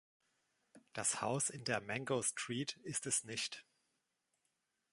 Das Haus in der Mango Street ist es nicht.